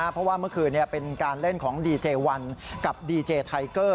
เพราะว่าเมื่อคืนเป็นการเล่นของดีเจวันกับดีเจไทเกอร์